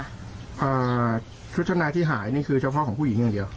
อ่าชุดชั้นในที่หายนี่คือเฉพาะของผู้หญิงอย่างเดียว